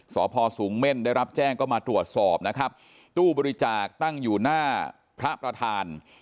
สพสูงเม่นได้รับแจ้งก็มาตรวจสอบนะครับตู้บริจาคตั้งอยู่หน้าพระประธาน